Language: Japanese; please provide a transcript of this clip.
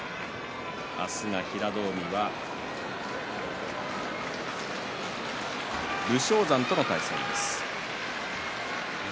明日は平戸海は武将山との対戦です。